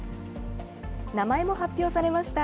名前も発表されました。